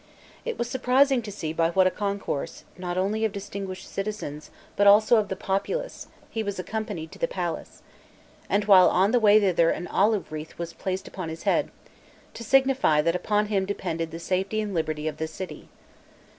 It was surprising to see by what a concourse, not only of distinguished citizens, but also of the populace, he was accompanied to the palace; and while on the way thither an olive wreath was placed upon his head, to signify that upon him depended the safety and liberty of the city.